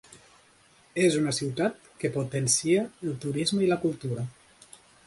És una ciutat que potencia el turisme i la cultura.